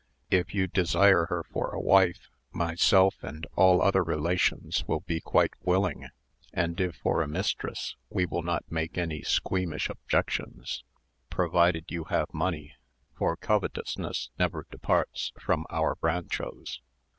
If you desire her for a wife, myself and all other relations will be quite willing; and if for a mistress, we will not make any squeamish objections, provided you have money, for covetousness never departs from our ranchos."